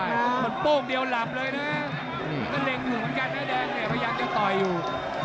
หมดโป้งเดียวหลับเลยนะก็เล็งอยู่เหมือนกันนะแดงเนี่ยพยายามจะต่อยอยู่